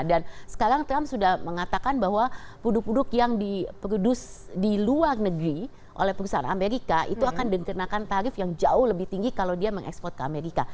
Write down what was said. dan sekarang trump sudah mengatakan bahwa puduk puduk yang di produce di luar negeri oleh perusahaan amerika itu akan mengenakan tarif yang jauh lebih tinggi kalau dia mengekspor ke amerika